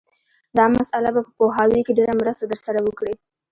دا مسأله به په پوهاوي کې ډېره مرسته در سره وکړي